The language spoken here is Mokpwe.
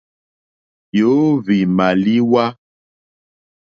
Yǒhwì màlíwá.